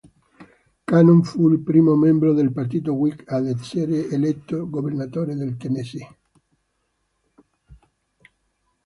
Cannon fu il primo membro del partito Whig ad essere eletto governatore del Tennessee.